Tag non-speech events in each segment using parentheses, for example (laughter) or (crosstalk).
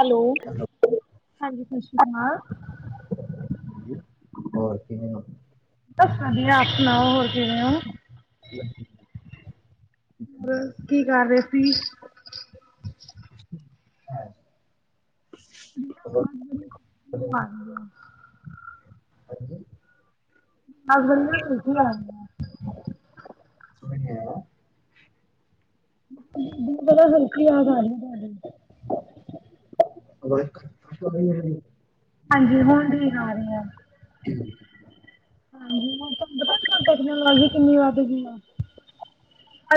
Hello ਹਾਂਜੀ ਸਤਿ ਸ਼੍ਰੀ ਅਕਾਲ (inaudible) ਦੱਸ ਵਧੀਆ, ਆਪ ਸੁਣਾਓ, ਹੋਰ ਕਿਵੇਂ ਹੋ? ਹੋਰ ਕੀ ਕਰ ਰਹੇ ਸੀ ਹਾਂ (inaudible) ਹਾਂਜੀ (inaudible) (inaudible) (inaudible) (inaudible) ਹਾਂਜੀ ਹੁਣ ਵੀ ਠੀਕ ਆ ਰਹੀ ਆ (inaudible) ਹੁਣ ਤੁਹਾਨੂੰ ਪਤਾ ਟੈਕਨੋਲੋਜੀ ਕਿੰਨੀ ਵੱਧਗੀ ਅ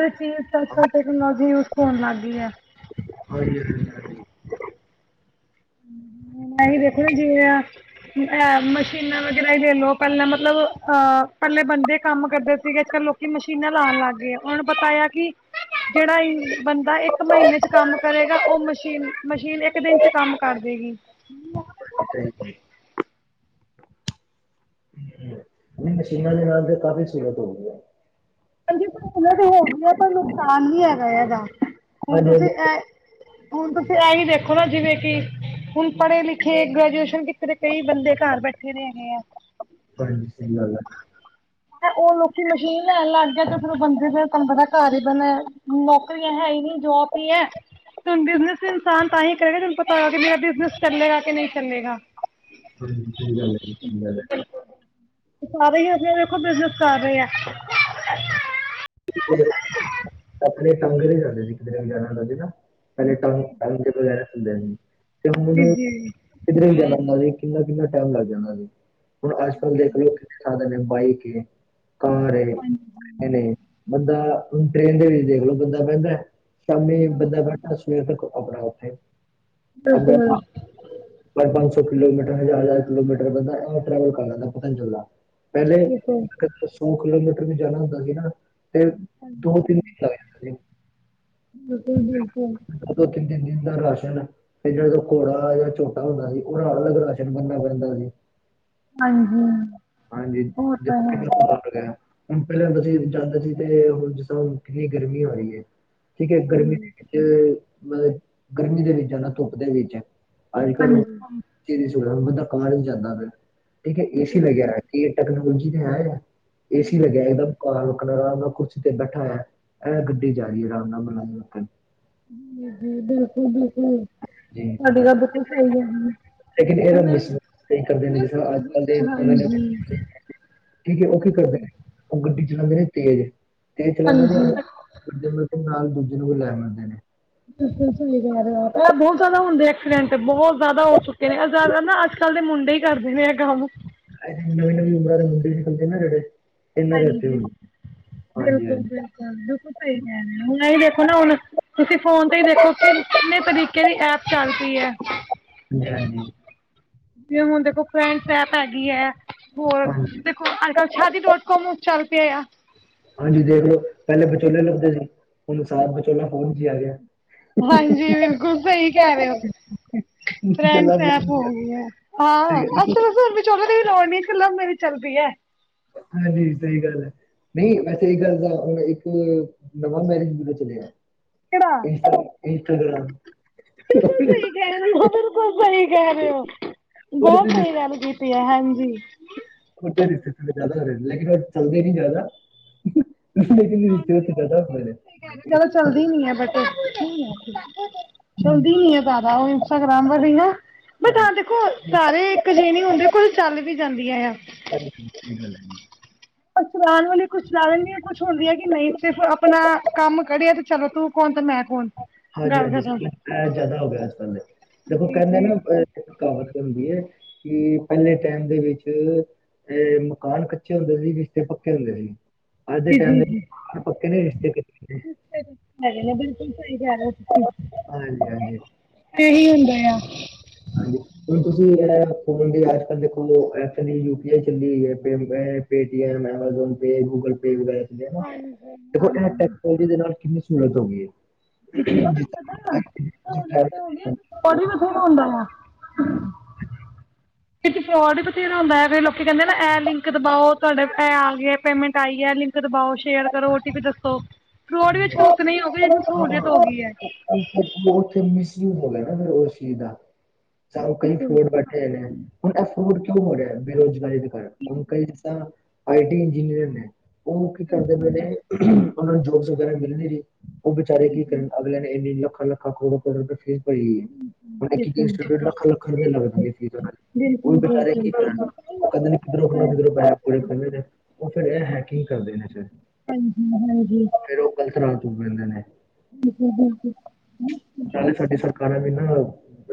ਅੱਜ ਕਲ ਟੈਕਨੋਲੋਜੀ ਯੂਜ ਹੋਣ ਲੱਗ ਗਈ ਹੈ ਹੂੰ ਨਹੀਂ ਦੇਖਣਾ ਜਿਵੇਂ ਮਸ਼ੀਨਾਂ ਵਗੈਰਾ ਹੀ ਲੈ ਲਓ ਪਹਿਲਾਂ ਮਤਲਬ ਅਹ ਪਹਿਲੇ ਬੰਦੇ ਕੰਮ ਕਰਦੇ ਸੀਗੇ ਅੱਜ ਕੱਲ ਲੋਕੀ ਮਸ਼ੀਨਾਂ ਲਾਉਣ ਲੱਗ ਗਏ ਉਹੂੰ ਪਤਾਆ ਕਿ ਜਿਹੜਾ ਬੰਦਾ ਇੱਕ ਮਹੀਨੇ ਚ ਕੰਮ ਕਰੇਗਾ ਉਹ ਮਸ਼ੀਨ ਮਸ਼ੀਨ ਇੱਕ ਦਿਨ ਚ ਕੰਮ ਕਰਦੇਗੀ ਨਹੀਂ ਸ਼ਿਮਲਾ ਦੇ ਨ ਤੇ ਕਾਫ਼ੀ ਸੂਰਤ ਹੋ ਗਈਆਂ ਹਾਂਜੀ ਤੇ ਹੋ ਗਈਆਂ ਪਰ ਨੁਕਸਾਨ ਵੀ ਹੈਗਾ ਹੈਗਾ ਹੁਣ ਹਾਂਜੀ ਤੁਸੀਂ ਹਾਂਜੀ ਇਹ ਹੁਣ ਤੁਸੀਂ ਇਹੀ ਦੇਖੋ ਨਾ ਜਿਵੇਂ ਕਿ ਹੁਣ ਪੜ੍ਹੇ ਲਿਖੇ ਗ੍ਰੈਜੂਏਸ਼ਨ ਕੀਤੇ ਕਈ ਬੰਦੇ ਘਰ ਬੈਠੇ ਰਗੇ ਆ ਹਾਂਜੀ ਸਹੀ ਗੱਲ ਹੈ ਉਹ ਲੋਕੀ ਮਸ਼ੀਨ ਲੈਣ ਲਾ ਬੰਦੇ ਫ ਤੁਹਾਨੂੰ ਪਤਾ ਘਰ ਹੀ ਬਣਿਆ ਨੌਕਰੀਆਂ ਹੈ ਹੀ ਨੀ ਜੋਬ ਹੀ ਹੈ ੁਣ ਬਿਜਨਸ ਇਨਸਾਨ ਤਾਂ ਹੀ ਕਰੇਗਾ ਤੁਹਨੂੰ ਪਤਾ ਹੋਗਾ ਬਿਜਨਸ ਚੱਲੇਗਾ ਕਿ ਨਹੀਂ ਚੱਲੇਗਾ ਹਾਂਜੀ ਸਹੀ ਗੱਲ ਹੈ ਸਹੀ ਗੱਲ ਹੈ ਸਾਰੇ ਹੀ ਅਜ ਦੇੇਖੋ ਬਿਜਨਸ ਕਰ ਰਹੇ ਆ (inaudible) ਟੰਗਰੀ ਜਾਂਦੇ ਸੀ ਕਿਤੇ ਜਾ ਨਾ ਕਦੇ ਟਾਊ ਟਾਊ (unintelligible) ਤੇ ਹੁਣ ਜੀ ਮੈਨੂੰ ਜੀ ਕਿਧਰੇ ਕਿੰਨਾ-ਕਿੰਨਾ ਟਾਈਮ ਲੱਗ ਜਾਦਾ ਸੀ। ਹੁਣ ਅੱਜਕੱਲ੍ਹ ਦੇਖ ਲਓ ਕਿੰਨੇ ਖਦੇ ਨੇ ਬਾਈਕ ਏ ਕਾਂ ਹਾਂਜੀ ਰੇ ਬੰਦਾ ਟ੍ਰੇਨ ਦੇ ਵਿੱਚ ਦੇਖ ਲੋ ਬੰਦਾ ਪੈਂਦਾ। ਸ਼ਾਮੀ ਬੰਦਾ ਬੈਠਾ ਸਵੇਰ ਤੱਕ ਆਪਣਾ ਉੱਥੇ ਬਿਲਕੁਲ (unintelligible) ਸੌ ਕਿਲੋਮੀਟਰ ਹਜ਼ਾਰ-ਹਜ਼ਾਰ ਕਿਲੋਮੀਟਰ ਬੰਦਾ ਟਰੈਵਲ ਕਰ ਲੈਂਦਾ ਪਤਾ ਨੀ ਚਲਦਾ। ਪਹਿਲੇ ਬਿਲਕੁਲ ਸੌ ਕਿਲੋਮੀਟਰ ਵੀ ਜਾਣਾ ਹੁੰਦਾ ਸੀ ਨਾ ਤੇ ਦੋ-ਤਿੰਨ ਮਹੀਨ ਲੱਗ ਜਾਂਦੇ। ਬਿਲਕੁਲ-ਬਿਲਕੁਲ ਸੀ ਦੋ ਦੋ ਤਿੰਨ ਤਿੰਨ ਦਿਨ ਦਾ ਰਾਸ਼ਨ, ਫਿਰ ਜਿਹੜੇ ਤੋਂ ਕੌੜਾ ਜਾਂ ਛੋਟਾ ਹੁੰਦਾ ਸੀ ਉਹ ਨਾਲ ਅਲੱਗ ਰਾਸ਼ਨ ਬਣਨਾ ਪੈਂਦਾ ਸੀ। ਹਾਂਜੀ ਹਾਂਜੀ ਉਹ ਤਾਂ ਦੇਖੋ ਕਿੰਨਾ ਹੈ (unintelligible) ਹੁਣ ਪਹਿਲਾਂ ਬਸੀ ਜਾਂਦੇ ਸੀ ਤੇ ਹੁਣ ਜਦੋਂ ਕਿੰਨੀ ਗਰਮੀ ਹੋ ਰਹੀ ਏ। ਠੀਕ ਹੈ ਗਰਮੀ ਦੇ ਵਿੱਚ ਮਤਲਬ ਗਰਮੀ ਦੇ ਵਿੱਚ ਜਾਣਾ ਧੁੱਪ ਦੇ ਵਿੱਚ। ਅੱਜਕੱਲ ਉਹ (unintelligible) ਬੰਦਾ ਕਮਰੇ ਚ ਜਾਂਦਾ ਫਿਰ ਠੀਕ ਹੈ ਏਸੀ ਵਗੈਰਾ ਟੈਕਨੋਲੋਜੀ ਨੇ ਆ, ਏ ਸੀ ਲੱਗਿਆ ਇੱਕਦਮ ਕਾਲ। ਆਰਾਮ ਨਾਲ ਕੁਰਸੀ ਤੇ ਬੈਠਾ ਹੈ ਇਹ ਗੱਡੀ ਜਾ ਰਹੀ ਆਰਾਮ ਨਾਲ ਬਣਾ। ਜ ਬਿਲਕੁਲ, ਬਿਲਕੁਲ ਜੀ ਤੁਆਡੀ ਗੱਲ ਤਾਂ ਬਿਲਕੁਲ ਸਹੀ ਏ। ਲੇਕਿਨ ਇਹਦਾ ਮਿਸਯੂਜ ਕਈ ਕਰਦੇ ਨੇ, ਜਿਸ ਤਰ੍ਹਾਂ ਜੀ ਅੱਜ-ਕੱਲ ਦੇ ਹਾਂਜੀ ਨਵੇਂ, ਨਵੇਂ ਜੀ ਠੀਕ ਏ ਉਹ ਕੀ ਕਰਦੇ ਨੇ? ਉਹ ਗੱਡੀ ਚ ਚਲਾਉਦੇ ਨੇ ਤੇਜ਼, ਤੇਜ਼ ਚਲਾਦੇ ਨੇ ਉਹ ਵੱਡੇ ਮਤਲ ਨਾਲ ਦੂਜੇ ਨੂੰ ਵੀ ਲੈ ਮਰਦੇ ਨੇ। ਬਹੁਤ ਜ਼ਿਆਦਾ ਹੁੰਦੇ ਐਕਸੀਡੈਂਟ। ਤੇ ਬਹੁਤ ਜ਼ਿਆਦਾ ਹੋ ਚੁੱਕੇ ਨੇ ਜ਼ਿਆਦਾ ਨਾ ਅੱਜ-ਕੱਲ੍ਹ ਦੇ ਮੁੰਡੇ ਹੀ ਕਰਦੇ ਨੇ। ਕੰਮ ਨਵੀਂ, ਨਵੀਂ ਉਮਰਾਂ ਦੇ ਮੁੰਡੇ ਨਿਕਲਦੇ ਨਾ ਜਿਹੜੇ ਇਹਨਾਂ ਦੇ ਹੱਥੋਂ ਹੀ ਹਾਂਜੀ ਹੁੰਦੇ। ਹਾਂਜੀ ਬਿਲਕੁਲ, ਹਾਂਜੀ ਬਿਲਕੁਲ, ਬਿਲਕੁਲ ਸਹੀ ਕਹਿ ਰਹੇ ਹੁਣ ਇਹੀ ਦੇਖੋ ਨਾ ਹੁਣ ਤੁਸੀਂ ਫੋਨ ਤੇ ਹੀ ਦੇਖੋ। ਕਿਨੇ ਤਰੀਕੇ ਦੀ ਐਪ ਚੱਲ ਪਈ ਐ ਹਾਂਜੀ, ਹਾਂਜੀ। ਜਿਵੇਂ ਹੁਣ ਦੇਖੋ ਫਰੈਂਡਸ ਐਪ ਹੈਗੀ ਏ। ਹਾਂਜੀ, ਹੋਰ ਹਾਂਜੀ, ਦੇਖੋ ਅੱਜ ਕੱਲ ਸ਼ਆਦੀ ਡੋਂਟ । ਚੱਲ ਪਿਆ ਏਆ। ਹਾਂਜੀ ਦੇਖ ਲਓ ਪਹਿਲੇ ਵਿਚੋਲੇ ਲੱਭਦੇ ਸੀ। ਹੁਣ ਸਾਫ਼ ਵਿਚੋਲਾ ਫੋਨ ਚ ਆ ਗਿਆ। ਹਾਂਜੀ ਬਿਲਕੁਲ ਸਹੀ ਕਹਿ ਰਹੇ ਓ। ਵਿਚੋਲਾ ਫਰੇਂਡਸ ਐਪ ਫੋਨ 'ਚ ਹੋ ਆ ਗਿਆ, ਗਈ ਏ। ਹਾਂ ਸਹੀ ਉੱਥੇ ਗੱਲ ਤਾਂ ਫਿਰ ਵਿਚੋਲੇ ਦੀ ਵੀ ਲੋੜ ਨਈ। ਲਵ ਮੇਰੀਜ ਚੱਲਦੀ ਐ। ਹਾਂਜੀ ਸਹੀ ਗੱਲ ਏ। ਨਹੀਂ ਵੈਸੇ ਇਹ ਗੱਲ ਤਾਂ ਇੱਕ ਨਵਾਂ ਮੈਰਿਜ ਬਿਊਰੋ ਚਲਿਆ । ਕਿਹੜਾ ਇੰਸਟਾਗਾ੍ਮ ਬਿਲਕੁਲ ਸਹੀ ਕਹਿ ਰਹੇ ਹੋ, ਬਿਲਕੁਲ ਸਹੀ ਕਹਿ ਰਹੇ ਹੋ, ਬਹੁਤ ਸਹੀ ਰਿਸ਼ਤੇ ਗੱਲ ਕੀਤੀ ਹੈ। ਹਾਂਜੀ ਹੋ ਰਿਤੇ ਤੇ ਜ਼ਿਆਦਾ ਲੇਕਿਨਉਹ ਚੱਲਦੇ ਨਈ ਜ਼ਿਆਦਾ। ਲੇਕਿਨ ਰਿਸ਼ਤੇ ਉੱਥੇ ਜ਼ਿਆਦਾ ਹੋ ਰਹੇ ਨੇ। ਚਦ ਚਲਦੀ ਨੀ ਹੈ ਬਟ ਚੱਲਦੀ ਨਹੀ ਏ ਉਹ ਇੰਸਟਾਗ੍ਰਾਮ ਵਾਲੀ ਹਵਾ਼ ਨਾ। ਬਟ ਹਾਂਜੀ, ਹਾਂ ਦੇਖੋ ਹਾਂਜੀ, ਸਾਰੇ ਇੱਕ ਜਿਏ ਨਹੀਂ ਹੁੰਦੇ ਕੋਲ ਚੱਲ ਵੀ ਜਾਂਦੀਆਂ ਆ। ਸ ਸਹੀ ਗੱਲ ਐ ਜੀ। ਪਰ ਚਉਣ ਵਾਲੀ ਕੁਛਲਾਣ ਦੀ ਕੁਛ ਹੁੰਦੀ ਹੈ ਕਿ ਨਹੀਂ ਸਿਰਫ ਆਪਣਾ ਕੰਮ ਕਡਿਆ, ਤੇ ਚਲੋ ਤੂੰ ਕੌਣ ਤੇ ਮੈਂ ਕੌਣ? ਹਾਂਜੀ, ਗੱਲ ਹਾਂਜੀ ਖਤਮ ਜ਼ਿਆਦਾ ਹੋ ਗਿਆ ਇਸੇ ਦੇਖੋ ਜੀ ਕਹਿੰਦੇ ਜੀ ਨਾ ਅ ਕਾਵਤ ਹੁੰਦੀ ਏ ਕਿ ਪਹਿਲੇ ਟਾਈਮ ਦੇ ਵਿੱਚ ਇਹ ਮਕਾਨ ਕੱਚੇ ਹੁੰਦੇ ਸੀ, ਰਿਸ਼ਤੇ ਪੱਕੇ ਹੁੰਦੇ ਸੀ। ਅੱਜ ਦੇ ਜੀ, ਟਾਈਮ ਦੇ ਵਿੱਚ ਜੀ, ਮਕਾਨ ਪੱਕੇ ਨੇ, ਰਿਸ਼ਤੇ ਕੱਚੇ ਨੇ। ਜੀਗੇ ਬਿਲਕੁਲ। ਸਹੀ ਕਹਿ ਰਹੇ ਓ ਤੁਸੀਂ। ਹਾਂਜੀ, ਹਾਂਜੀ, ਇਹੀ ਹੁੰਦੇ ਆ। ਹਾਂਜੀ ਹੁਣ ਤੁਸੀਂ ਇਹ ਫੋਨ ਦੀ ਅੱਜ-ਕੱਲ ਦੇਖੋ ਐ ਚੱਲ ਯੂ, ਪੀ, ਆਈ ਚੱਲੀ ਹੈ pay Paytm, Amazon Pay, Google Pay ਵਗੈਰਾ। ਦੇਖੋ ਹਾਂਜੀ ਇਹ ਟੈਕਨੋਲੋਜੀ ਦੇ ਨਾਲ ਕਿੰਨੀ ਸਹੂਲਤ ਹੋ ਗਈ ਏ। (inaudible) ਤੇ ਹੋਰ ਵੀ ਪੜਣਾ ਹਾਂਜੀ, ਥੋੜਾ ਆਉਂਦਾ ਵਾ। ਵਿੱਚ ਫਰੋਡ ਵੀ ਬਥੇਰਾ ਹੁੰਦਾ ਐ। ਫਿਰ ਲੋਕ ਕਹਿੰਦੇ ਨਾ ਇਹ ਲਿੰਕ ਦਬਾਓ ਤੁਹਾਡੇ ਆ ਪੇਮੈਂਟ ਆਈ ਐ। ਲਿੰਕ ਦਬਾਓ ਸ਼ੇਅਰ ਕਰੋ। ਓ ਟੀ ਪੀ ਦੱਸੋ? ਫਰੋਡ ਵੀ ਹਾਂਜੀ ਅੱਜਕੱਲ ਬਹੁਤ ਉਤਨੇ ਹੀ ਹੋ ਗਏ ਜਿਤਨੀ ਹਾਂ ਉੱਥੇ ਹੋ ਸਹੂਲੀਅਤ ਗਈ ਹੈ। ਗਿਆ ਨਾ ਫਿਰ ਉਸ ਚੀਜ਼ ਦਾ ਸਬ ਕਈ ਫਰੋਡ ਬੈਠੇ ਨੇ ਹੁਣ ਇਹ ਫਰੋਡ ਹੋ ਰਿਹਾ ਬੇਰੋਜ਼ਗਾਰੀ ਦੇ ਕਾਰਣ ਹੁਣ ਕਈ ਆਈ-ਟੀ ਇੰਜਨੀਅਰ ਨੇ। ਉਹ ਕੀ ਕਰਦੇ ਪਏ ਨੇ ਉਹਨਾਂ ਨੂੰ ਜੋਬਸ ਵਗੈਰਾ ਮਿਲ ਨੀ ਰਈ। ਉਹ ਵਿਚਾਰੇ ਕੀ ਕਰਨ ਅਗਲਿਆਂ ਨੇ ਇੰਨੀ ਲੱਖਾਂ, ਲੱਖਾਂ ਕਰੋੜ, ਕਰੋੜ ਰੁਪਏ ਫੀਸ ਹੁਣ ਇੱਕ ਇੱਕਿਊਟ ਲੱਖਾ, ਲੱਖਾ ਰੁਪਏ ਲੱਗਦੀ ਏ ਫੀਸ। ਉਹ ਵੀ ਬਚਾਰੇ ਕੀ ਕਰ ਕਦੇ ਨੀ ਕਿੱਧਰੋਂ ਖੁੋ ਕਿਧਰੋਂ ਪੈ ਪੂਰੇੇ ਉਹ ਫਿਰ ਇਹ ਹੈ ਕੀ ਕਰਦੇ ਨੇ ਫਿਰ। ਹਾਂਜੀ, ਹਾਂਜੀ। ਫੇਰ ਉਹ ਕਲਥਰਾਂ ਤ ਰਹਿੰਦੇ ਨੇ। ਤਾਂ ਸਾਡੀ ਸਰਕਾਰਾਂ ਵੀ ਨਾ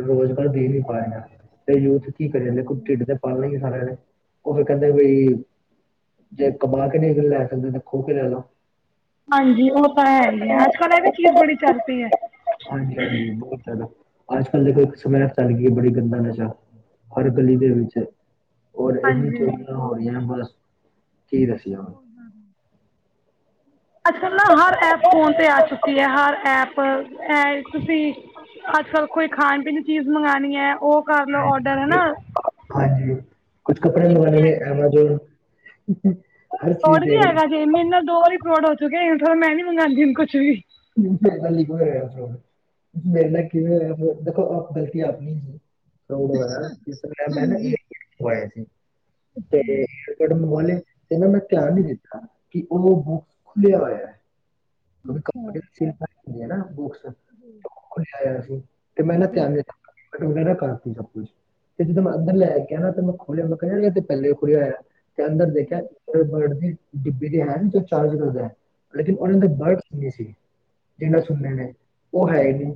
ਰੁਜ਼ਗਾਰ ਦੇ ਨੀ ਪਾ ਰਿਹਾ, ਤੇ ਯੂਥ ਕੀ ਕਰੀ ਜਾਂਦੀ ਆ ਦੇਖੋ ਢਿੱਡ ਤੇ ਪਾਲਣਾ ਹੀ ਆ ਸਾਰਿਆਂ ਨੇ। ਉਹ ਕਹਿੰਦੇ ਵਈ ਜੇ ਕਮਾ ਕੇ ਨਹੀਂ ਖੇਲਣਾ ਅ ਖੂਹ ਕੇ ਲੇ ਜੋ। ਹਾਂਜੀ ਉਹ ਤਾਂ ਹੈ ਹੀ ਹੈ ਅੱਜਕੱਲ ਇਹ ਵੀ ਚੀਜ਼ ਬੜੀ ਚੱਲ ਪਈ ਐ। ਹਾਂਜੀ-ਹਾਂਜੀ ਬਹੁਤ ਜ਼ਿਆਦਾ, ਅੱਜਕੱਲ੍ਹ ਦੇਖ ਸਮੇ ਚ ਇਹ ਬੜੀ ਗੰਦਾ ਨਸ਼ਾ, ਹਰ ਗਲੀ ਦੇ ਵਿੱਚ, ਔਰ ਇੰਨੀ ਹਾਂਜੀ। ਚੋਰੀਆਂ ਹੋ ਰਹੀਆਂ ਬਸ। ਕੀ (unintelligible) ਅੱਜਕੱਲ ਨਾ ਹਰ ਐਪ ਫੋਨ ਤੇ ਆ ਚੁੱਕ ਕੀ ਐ ਹਰ ਐਪ ਤੁਸੀਂ ਅੱਜਕੱਲ੍ਹ ਕੋਈ ਖਾਣ-ਪੀਣ ਦੀ ਚੀਜ਼ ਮੰਗਾਣੀ ਹੈ ਉਹ ਕਰ ਲਓ ਔਡਰ ਹਨਾ। ਕੁਛ ਕੱਪੜੇ ਮੰਗਵਾਣੇ ਨੇ ਐਮਾਜ਼ੋਨ ਹਰ ਚੀਜ਼ ਫਰੋਡ ਵੀ ਦੇਖ ਲਓ ਹੈਗਾ ਜੇ ਮੇਰੇ ਨਾਲ ਦੋ ਵਾਰੀ ਫਰੋਡ ਹੋ ਚੁੱਕਿਆ ਮੈਂ ਨੀ ਮੰਗਵਾਉਂਦੀ ਹੁੰਦੀ ਕੁਛ ਵੀ। (unintelligible) ਮੇਰੇ ਨਾਲ ਕਿਵੇਂ ਹੋਇਆ ਦੇਖੋ ਆਪ ਗਲਤੀ ਆਪਣੀ ਸੀ। ਮੈਂ ਨਾ (unintelligible) (unintelligible) ਤੇ ਮੈਂ ਧਿਆਨ ਨੀ ਦਿੱਤਾ। ਕਿ ਉਹ ਬੁੱਕ ਖੁੱਲਿਆ ਹੋਇਆ ਹੈ। ਅੱਛਾ (unintelligible) ਤੇ ਮੈਂ ਨਾ ਧਿਆਨ (unintelligible) ਵਗੈਰਾ ਕਰਤੀ ਸਭ ਕੁੱਛ ਤੇ ਜਦੋਂ ਮੈਂ ਅੰਦਰ ਲੈ ਕੇ ਨਾ ਤੇ ਮੈਂ ਖੋਲ੍ਹਿਆ ਮੈਂ ਕਹਿ ਤੇ ਪਹਿਲੇ ਵੀ ਖੋਲ੍ਹਿਆ ਹੋਇਆ। ਤੇ ਅੰਦਰ ਦੇਖਿਆ ਬਰਡ ਡਿੱਬੀ ਦੀ ਹੈ ਜੋ ਚਾਰਜ ਕਰਦਾ ਲੇਕਿਨ ਉਹਨਾਂ ਦੇ ਵਰਡ (unintelligible) ਸੀ ਜਿਹਨਾਂ ਸੁਣਦੇ ਨੇ ਉਹ ਹੈ ਈ ਨੀ।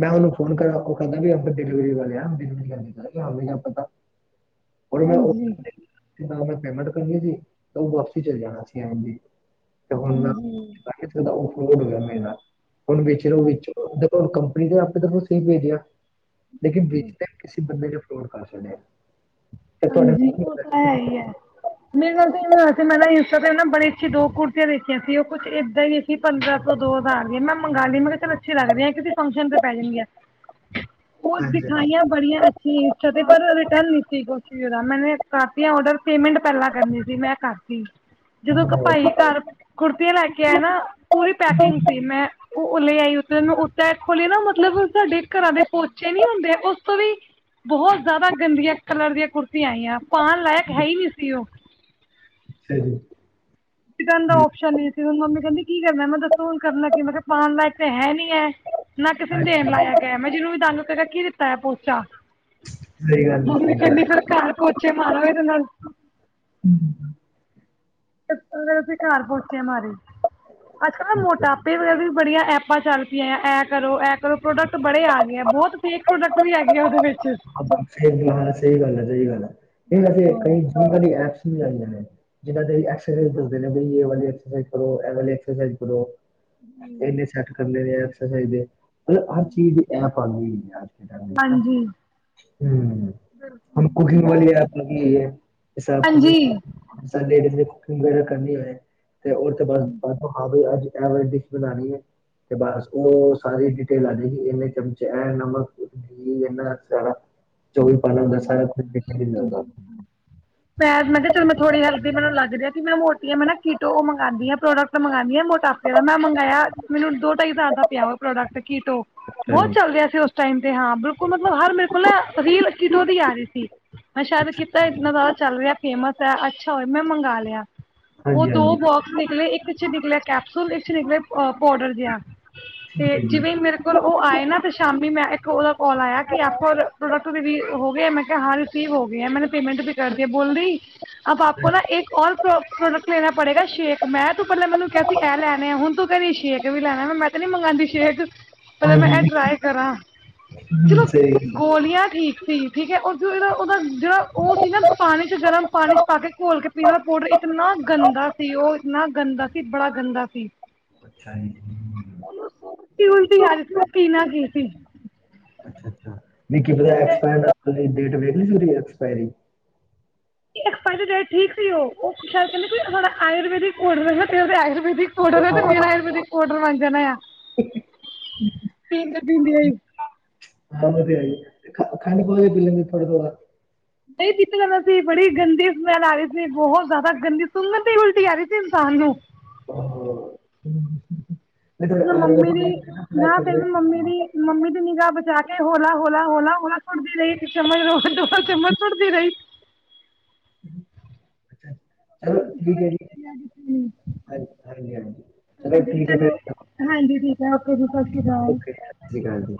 ਮੈਂ ਉਹਨੂੰ ਫੋਨ ਕਰ ਉਹ ਕਹਿੰਦਾ ਵੀ ਆਪ ਡਿਲੀਵਰੀ ਵਾਲੇ ਆ ਡਵ ਕਰ ਹ ਆਪ ਤਾਂ ਹੁਣ ਮੈਂ (unintelligible) ਪੇਮੈਂਟ ਕਰਨੀ ਸੀ, ਤਾਂ ਉਹ ਵਾਪਸੀ ਚਲੇ ਜਾਣਾ ਸੀ ਐ ਜੀ ਤੇ ਹੁਣ ਮੈਂ (unintelligible) ਉਹ ਹੋ ਗਿਆ ਮੇਰੇ ਨਾਲ। ਹੁਣ ਵੇਖ ਤਾਂ ਵਿੱਚ ਦੇਖੋ ਕੰਪਨੀ ਆਪੇ ਤਾਂ ਸਹੀ ਭੇਜਿਆ। ਲੇਕਨ ਬੀਚ ਕਿਸੀੇ ਬੰਦੇ ਨੇ ਫਰੋਡ ਕਰ ਛੱਡਿਆ। ਤੇ ਤੁਹਾਡੇ ਹਾਂਜੀ ਉਹ ਤਾਂ ਹੈ ਹੀ ਹੈ, ਮੇਰੀ ਗੱਲ ਤਾਂ ਇਵੇਂ ਹੋਇਆ ਸੀ ਮੈਂ ਤਾਂ ਉਹਨਾਂ ਬੜੀ ਅੱਛੀ ਦੋ ਕੁੜਤੀਆਂ ਦੇਖੀਆਂ ਸੀ ਉਹ ਕੁਛ ਏਦਾਂ ਹੀ ਸੀ ਪੰਦਰਾਂ ਤੋਂ ਦੋ ਦਾ ਆ ਗਏ ਮੈਂ ਮੰਗਾ ਲਈ ਮੈਂ ਕਿਹਾ ਚਲ ਅੱਛੇ ਲੱਗਦੀ ਹੈ ਕਿਸੀ ਫੰਕਸ਼ਨ ਤੇ ਪੈ ਜਾਂਦੀ ਆ। ਉਹ ਦਿਖਾਈਆਂ ਬੜੀਆਂ ਅੱਛੀਆਂ ਪਰ ਰਿਟਰਨ ਨਹੀਂ ਸੀ। ਮੈਨੇ ਕਰਤੀ ਆ ਔਡਰ ਪੇਮੈਂਟ ਪਹਿਲਾਂ ਕਰਨੀ ਸੀ ਮੈਂ ਕਰਤੀ। ਜਦੋਂ ਉਹ ਭਾਈ ਘਰ ਕੁੁਰਤੀਆਂ ਲੈਕੇ ਆਏ ਨਾ ਪੂਰੀ ਪੈਕਿੰਗ ਸੀ ਮੈਂ ਉਹ ਆਈ ਉਤਰ ਖਲੀ ਨਾ ਮਤਲਬ ਸਾਡੇ ਘਰਾਂ ਦੇ ਪੋਚੇ ਨੀ ਹੁੰਦੇ ਉਸ ਤੋਂ ਵੀ ਬਹੁਤ ਜ਼ਿਆਦਾ ਗੰਦੀਆਂ ਕਲਰ ਦੀਆਂ ਕੁੁਰਤੀਆਂ ਆਈਆਂ, ਪਾਉਣ ਲਾਇਕ ਹੈ ਹੀ ਨਹੀਂ ਸੀ ਉਹ ਹਾਂ, ਸਿਕਨ ਦਾ ਓਪਸ਼ਨ ਨ ਸੀ ਮੰਮੀ ਕਹਿੰਦੀ ਕੀ ਕਰਨਾ ਮੈਂ ਦੱਸੋ, ਹੁਣ ਕਰਨਾ ਕੀ ਮੈਂ ਕਿਹਾ ਪਾਨ ਲਾਈਕ ਤੇ ਹੈ ਨੀ ਹੈ ਨਾ, ਕਿਸੇ ਨੂੰ ਹਾਂਜੀ ਦੇਣ ਲਾਇਕ ਹੈ ਮੈਂ ਜਿਹਨੂੰ ਵੀ ਦੰਗ ਕਗਾ ਕੀ ਦਿੱਤਾ ਹੈ ਪੋਚਾ, ਸਹੀ ਗੱਲ ਹੈ ਮੰਮੀ ਸਹੀ ਗੱਲ ਹੈ ਕਹਿੰਦੀ ਫਿਰ ਘਰ ਪੋਚਿਆ ਮਾਰੋ ਇਹਦੇ ਨਾਲ, ਠੀਕ ਅਗਰ ਅਸੀਂ ਘਰ ਪੋਚੇ ਮਾਰੇ ਅੱਜਕਲ੍ਹ ਨਾ ਹੈ ਜੀ। ਮੋਟਾਪੇ ਵਗੈਰਾ ਵੀ ਬੜੀਆਂ ਆਪਾਂ ਚੱਲ ਪਿਆਂ ਐਂ, ਕਰੋ ਇਹ ਕਰੋ ਪ੍ਰੋਡਕਟ ਬੜੇ ਆ ਗਏ, ਹੈ ਬਹੁਤ ਫੇਕ ਪ੍ਰੋਡਕਟ ਵੀ ਹੈਗੇ ਆ ਉਹਦੇ ਵਿੱਚ ਹਾਂ ਫੇਰ ਸਹੀ ਗੱਲ ਐ, ਸਹੀ ਗੱਲ ਐ ਇਹ ਵੈਸੇ ਬਿਲਕੁਲ ਕਈ ਜਾਣਕਾਰੀ ਐ। ਜਿਦਾ ਕੋਈ ਐਕਸਰਸਾਈਜ਼ ਕਰਦੇ ਨੇ ਐ ਵਾਲੀ ਐਕਸਰਸਾਈਜ਼ ਕਰੋ ਐ ਵਾਲੀ ਐਕਸਰਸਾਈਜ਼ ਕਰੋ। ਇਨੇ ਸੈੱਟ ਕਰਨ ਆ ਮਤਲਬ ਹਰ ਚੀਜ਼ ਦੇ ਐਪ ਆਗੀ। ਹਾਂਜੀ, ਹੂੰ ਹੁਣ ਕੁਕਿੰਗ ਵਾਲੀ ਐਪ ਵੀ ਐ। ਕੁਕਿੰਗ ਹਾਂਜੀ ਲੇਡੀਜ਼ ਨੇ ਕੁਕਿੰਗ ਵਗੈਰਾ ਕਰਨੀ ਹੋਏ। ਤੇ ਉਹ ਤੋਂ ਬਾਅਦ ਹਾਂ ਅੱਜ ਐਵਰੇ ਡਿਸ਼ ਬਣਾਣੀ ਹੈ। ਤੇ ਬਸ ਉਹ ਸਾਰੀ ਡਿਟੇਲ ਆ ਜਾਗੀ, ਇੰਨੇ ਚਮਚੇ ਐ ਨਮਕ ਇਹਨਾ ਸਾਰਾ ਚੌਵੀ ਪੰਜਾ ਮੈਂ ਮੈਂ ਕਿ ਚਲ ਥੋੜੀ (unintelligible) ਬਣਨ ਲੱਗ ਜੇ। ਮੈ ਮੋਟੀ ਆ ਮੈ ਨਾ ਕੀਟੋ ਓ ਮੰਗਾਦੀ ਆ ਪ੍ਰੋਡਕਟ ਮੰਗਾਨੀ ਆ ਮੋਟਾਪੇ ਦਾ ਮੈਂ ਮੰਗਾਇਆ ਮੈਨੂੰ ਦੋ ਤ ਈ ਜਿਆਦਾ ਪਿਆ ਉਹ ਪ੍ਰੋਡਕਟ ਕੀਟੋ। ਬਹੁਤ ਚੱਲ ਰਿਆ ਸੀ, ਉਸ ਟਾਈਮ ਤੇ ਹਾਂ ਬਿਲਕੁਲ ਮਤਲਬ ਹਰ ਮੇਰੇ ਕੋਲ ਨਾ ਰੀ ਤੋਂ ਉਹਦੀ ਆ ਰਹੀ ਸੀ, ਮੈਂ ਸ਼ਾਇਦ ਅੱਛਾ ਕੀਤਾ ਜੀ ਇੰਤਨਾ ਅੱਛਾ ਜਿਆਦਾ ਚੱਲ ਰਿਆ ਫੇਮਸ ਅੱਛਾ ਹੋਏ ਮੈ ਮੰਗਾ ਲਿਆ। ਉਹ ਹਾਂਜੀ ਦੋ ਹਾਂਜੀ ਬੋਕਸ ਨਿਕਲੇ, ਇੱਕ ਚ ਨਿਕਲਿਆ ਕੈਪਸੂਲ ਇੱਕ ਚ ਨਿਕਲੇ ਅ ਪੋਡਰ ਜਿਆ, ਠੀਕ ਤੇ ਹੈ ਜੀ ਜਿਵੇਂ ਮੇਰੇ ਕੋਲ ਉਹ ਆਏ ਨਾ, ਤੇ ਸ਼ਾਮੀ ਮੈਂ ਇੱਕ ਉਹਦਾ ਕੋਲ ਆਇਆ ਕਿ ਆਪਕੋ ਓਰ ਪ੍ਰੋਡਕਟ ਰਵੀਲ ਮੈਂ ਕਿਹਾ ਹਾਂ ਰਿਸੀਵ ਹੋ ਗਿਆ, ਮੈਨੇ ਪੇਮੈਂਟ ਵੀ ਕਰਦੀ ਬੋਲਦੀ ਅਬ ਆਪਕੋ ਨਾ ਹਾਂਜੀ ਏਕ ਓਰ ਪੋ੍ ਪ੍ਰੋਡਕਟ ਲੇਣਾ ਪੜੇਗਾ, ਸ਼ੇਖ ਮੈਂ ਤੂੰ ਪਹਿਲੇ ਮੈਨੂੰ ਕਿਹਾ ਸੀ ਇਹ ਲੈਣੇ ਹੁਣ ਤੂੰ ਕੇਰੀ ਸ਼ੇਕ ਵੀ ਲੈਣਾ ਮੈਂ ਤੇ ਨੀ ਮੰਗਾਦੀ, ਸ਼ੇਕ ਪਹਿਲੇ ਮੈਂ ਏ ਹਾਂਜੀ ਟਰਾਈ ਕਰਾਂ। ਹਮ, ਚਲੋ ਸਹੀ ਗੱਲ ਗੋਲੀਆਂ ਠੀਕ ਸੀ, ਠੀਕ ਐ ਓਰ ਜੋ ਉਹਦਾ ਜਿਹੜਾ ਉਹ ਸੀ, ਨਾ ਪਾਣੀ ਚ ਗਰਮ ਪਾਣੀ ਚ ਪਾ ਕੇ ਘੋਲ ਕੇ ਪੀਣ ਆਲਾ ਪਾਊਡਰ ਇਕ ਇੰਨਾ ਗੰਦਾ ਸੀ, ਉਹ ਇੰਨਾ ਗੰਦਾ ਸੀ ਬੜਾ ਗੰਦਾ ਸੀ। ਹੈ ਅੱਛਾ ਜੀ ਹਮ, ਉਹਨੁ ਸੁੰਗ ਕੇ ਉਲਟੀ ਆ ਰੀ ਸੀ ਨਾ ਪੀਨਾ ਕੀ ਸੀ। ਅੱਛਾ-ਅੱਛਾ, ਨਈ ਕੀ ਪਤਾ (unintelligible) ਹਲੇ ਡੇਟ ਵੇਖ ਲੀ ਸੀ ਓਦੀ ਐਕਸਪਾਇਰੀ। ਐਕਸਪਾਇਰੀ ਡੇਟ ਠੀਕ ਸੀ ਓ, ਓਹ ਖ਼ੈਰ ਕੈਂਦੇ ਸੀ ਉਹਨਾਂ ਦਾ ਆਯੁਰਵੈਦਿਕ ਪੋਡਰ ਏ ਨਾ (unintelligible) ਆਯੁਰਵੈਦਿਕ ਪੋਡਰ ਏ ਹਾਂ ਤੇ ਮੇਰਾ ਆਯੁਰਵੈਦਿਕ ਪੋਡਰ ਬਨ ਜਾਣਾ ਆ। ਪੀਂਦੇ ਪੀਂਦੇ ਹੀ ਹਾਂ ਵਧੀਆ ਈ ਏ। ਖੰਡ ਪਾ ਕੇ ਪੀ ਲੈਂਦੇ ਥੋੜਾ-ਥੋੜਾ। ਨਹੀਂ ਦਿੱਤਾ ਸੀ (unintelligible) ਬੜੀ ਗੰਦੀ ਸਮੈਲ ਆ ਰਈ ਸੀ, ਬਹੁਤ ਜੈਦਾ ਗੰਦੀ ਸੁੰਗਨ ਤੇ ਉਲਟੀ ਆ ਰਈ ਸੀ ਇਨਸਾਨ ਨੂੰ। ਹ। ਮ ਮੰਮੀ ਦੀ, ਨਾ ਫਿਰ ਮੰਮੀ ਦੀ, ਮੰਮੀ ਦੀ ਨਿਗਾਹ ਬਚਾ ਕੇ ਹੋਲਾ, ਹੋਲਾ, ਹੋਲਾ ਥੋੜਾ ਫੜਦੀ ਰਈ ਇੱਕ ਚਮਚ ਰੋਜ-ਰੋਜ ਦੋ ਚਮਚ ਸੁੜਦੀ ਰਈ। ਚਲੋ ਠੀਕ ਏ ਜੀ, ਹ ਹਾਂਜੀ-ਹਾਂਜੀ। ਹਾਂਜੀ ਚਲੋ ਹਾਂਜੀ ਠੀਕ ਹੈ ਓਕੇ ਜੀ ਸਾਸੀ ਕਾਲ। ਓਕੇ ਸਤਿ ਸ਼੍ਰੀ ਅਕਾਲ ਜੀ